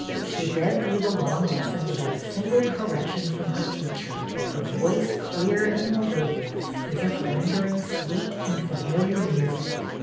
She read through the long lesson without a single correction from her teacher, her voice clear and melodious as if rendering sweet and familiar music.